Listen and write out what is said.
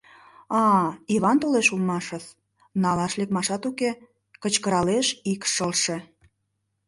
— А-а, Иван толеш улмашыс, налаш лекмашат уке, — кычкыралеш ик шылше.